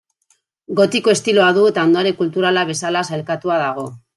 Gotiko estiloa du eta ondare kulturala bezala sailkatua dago.